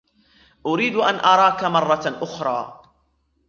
أريد أن أراك مرة أخرى.